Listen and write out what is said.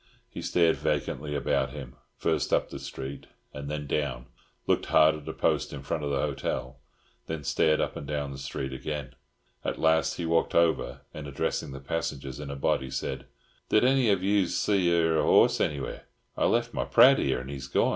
He stared vacantly about him, first up the street and then down, looked hard at a post in front of the hotel, then stared up and down the street again. At last he walked over, and, addressing the passengers in a body, said, "Did any of you's see e'er a horse anywheres? I left my prad here, and he's gorn."